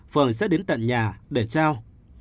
phường sẽ đến tận nhà để trao